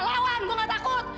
lawan gue gak takut